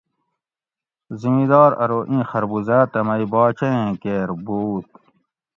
زمیدار ارو ایں خربوزاۤ تہ مئ باچہ ایں کیر بووت